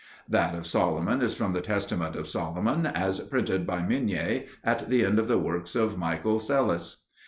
That of Solomon is from The Testament of Solomon as printed by Migne at the end of the works of Michael Psellus.